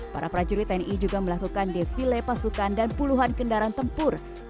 para prajurit tni juga melakukan defile pasukan dan puluhan kendaraan tempur